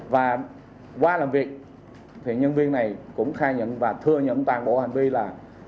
và qua làm việc thì nhân viên này cũng khai nhận và thừa nhận toàn bộ hành vi là